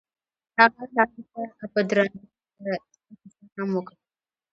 هغه هغې ته په درناوي د شپه کیسه هم وکړه.